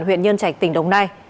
huyện nhân trạch tỉnh đồng nai